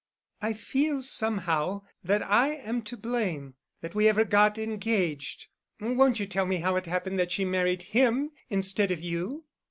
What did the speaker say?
I feel somehow that I am to blame—that we ever got engaged. Won't you tell me how it happened that she married him—instead of you?"